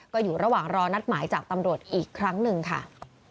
ก็อยู่ระหว่างรอนัดหมายจากตำรวจอีกครั้งหนึ่งค่ะ